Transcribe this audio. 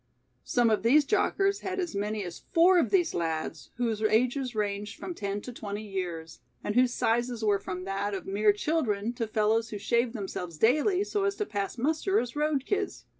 Some of these jockers had as many as four of these lads, whose ages ranged from ten to twenty years, and whose sizes were from that of mere children to fellows who shaved themselves daily so as to pass muster as "road kids".